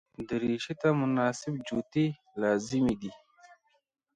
دریشي ته مناسب جوتي لازمي دي.